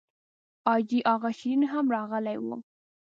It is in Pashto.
حاجي اغا شېرین هم راغلی و.